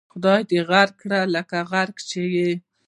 خدای دې غرق کړه لکه غرق چې یې.